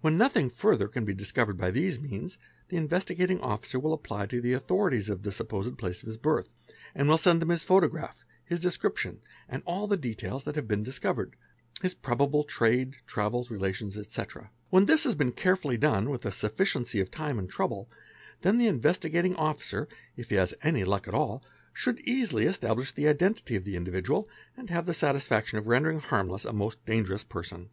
When nothing further can be discovered by these means, the Investigating Officer will apply to the authorities of the supposed place of his birth, and will send them his photograph, his description, and all the details that have been discovered (his probable trade, travels, relations, etc.). When this has been carefully done with a sufficiency of time and trouble, then the Investigating Officer, if he has any luck at all, should easily establish the identity of the individual and have the 'satisfaction of rendering harmless a most dangerous person.